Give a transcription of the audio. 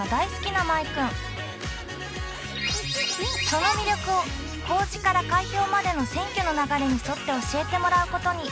その魅力を公示から開票までの選挙の流れに沿って教えてもらうことに。